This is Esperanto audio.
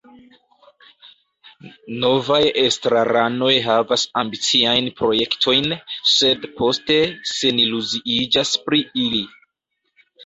Novaj estraranoj havas ambiciajn projektojn, sed poste seniluziiĝas pri ili.